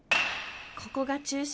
ここが中心！